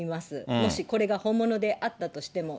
もしこれが本物であったとしても。